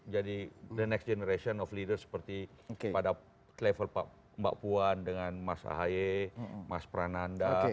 jadi the next generation of leaders seperti pada level mbak puan dengan mas ahy mas prananda